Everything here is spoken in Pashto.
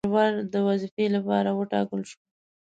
غلام سرور د وظیفې لپاره وټاکل شو.